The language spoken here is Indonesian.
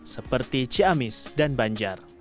seperti ciamis dan banjar